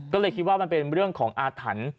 ก็เลยคิดว่ามันเป็นเรื่องของอาถรรพ์